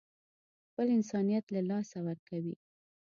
خپل انسانيت له لاسه ورکوي.